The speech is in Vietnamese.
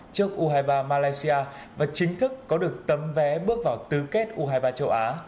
trước u hai mươi ba malaysia và chính thức có được tấm vé bước vào tứ kết u hai mươi ba châu á